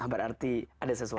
nah berarti ada sesuatu